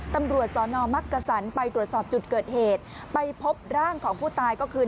ตำรวจสอนอมักกษันไปตรวจสอบจุดเกิดเหตุไปพบร่างของผู้ตายก็คือ